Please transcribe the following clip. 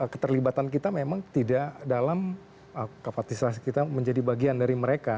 keterlibatan kita memang tidak dalam kapasitas kita menjadi bagian dari mereka